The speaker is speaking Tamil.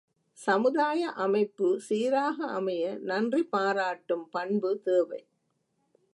சமுதாய அமைப்பு சீராக அமைய நன்றி பாராட்டும் பண்பு தேவை.